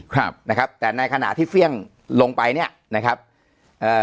ครับนะครับแต่ในขณะที่เฟี่ยงลงไปเนี้ยนะครับเอ่อ